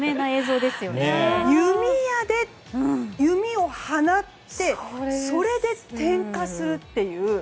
弓矢で弓を放ってそれで点火するっていう。